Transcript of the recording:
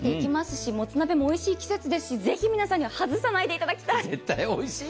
しもつ鍋もおいしい季節ですし、ぜひ皆さんには外さないででいただきたい。